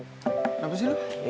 kenapa sih lu